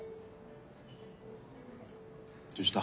どうした？